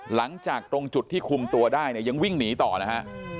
หลังจากตรงจุดที่คุมตัวได้เนี่ยยังวิ่งหนีต่อนะฮะ